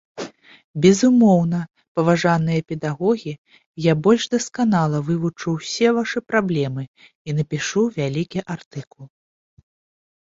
Безумоўна, паважаныя педагогі, я больш дасканала вывучу ўсе вашы праблемы і напішу вялікі артыкул.